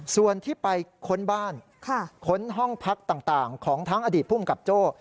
ส่วนที่ไปค้นบ้านค้นห้องพักต่างของทั้งอดีตภูมิกับโจ้